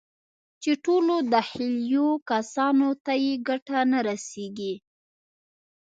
چې ټولو دخيلو کسانو ته يې ګټه نه رسېږي.